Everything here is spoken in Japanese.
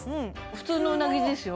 普通のうなぎですよ